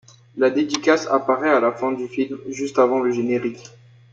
La dédicace apparaît à la fin du film, juste avant le générique.